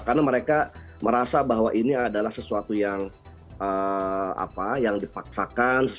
karena mereka merasa bahwa ini adalah sesuatu yang dipaksakan